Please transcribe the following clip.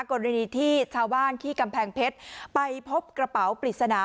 กรณีที่ชาวบ้านที่กำแพงเพชรไปพบกระเป๋าปริศนา